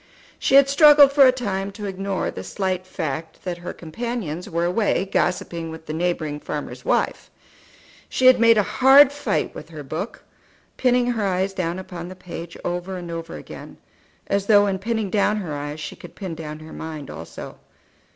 She had struggled for a time to ignore the slight fact that her companions were away gossiping with the neighbouring farmer's wife; she had made a hard fight with her book, pinning her eyes down upon the page over and over again, as though in pinning down her eyes she could pin down her mind also.